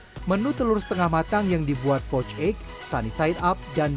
berkonsep australian brunch menu telur setengah matang yang dibuat pock egg sunny side up dan